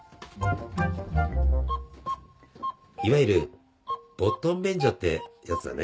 いわゆるボットン便所ってやつだね。